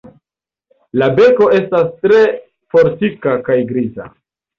La beko estas tre fortika kaj griza.